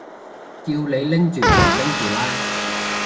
叫你拎住就拎住啦